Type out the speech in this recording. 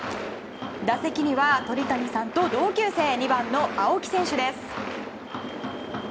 打席には鳥谷さんと同級生２番の青木選手です。